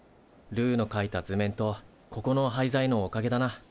ルーのかいた図面とここの廃材のおかげだな。